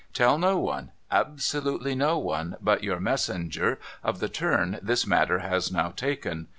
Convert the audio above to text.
Tell no one — absolutely no one — but your messenger of the turn this matter has now taken.